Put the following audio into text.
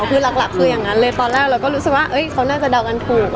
คือหลักคืออย่างนั้นเลยตอนแรกเราก็รู้สึกว่าเขาน่าจะเดากันถูก